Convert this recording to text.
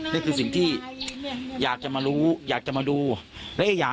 มันใหญ่ขนาดนี้มันมีลายด้วยน่ะ